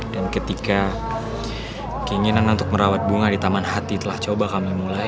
dan ketika keinginan untuk merawat bunga di taman hati telah coba kami mulai